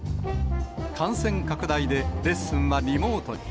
感染拡大でレッスンはリモートに。